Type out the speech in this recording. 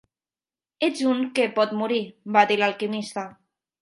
"Ets un que pot morir", va dir l'alquimista.